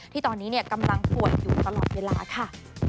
ที่ตอนนี้กำลังป่วยอยู่ตลอดเวลาค่ะ